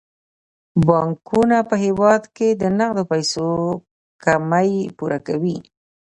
بانکونه په هیواد کې د نغدو پيسو کمی پوره کوي.